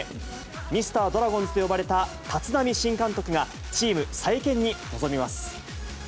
ミスタードラゴンズと呼ばれた立浪新監督が、チーム再建に臨みます。